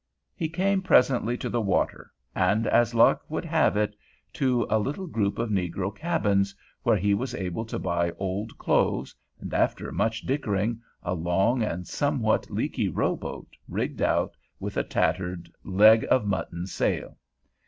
He came presently to the water, and, as luck would have it, to a little group of negro cabins, where he was able to buy old clothes and, after much dickering, a long and somewhat leaky rowboat rigged out with a tattered leg of mutton sail.